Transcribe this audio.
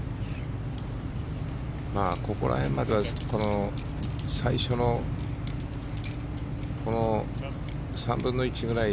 ここら辺までは最初の３分の１くらい